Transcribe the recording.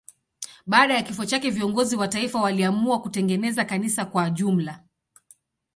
Baada ya kifo chake viongozi wa taifa waliamua kutengeneza kanisa kwa jumla.